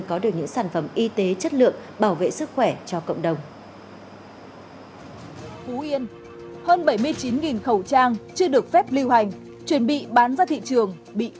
có được những sản phẩm y tế chất lượng bảo vệ sức khỏe cho cộng đồng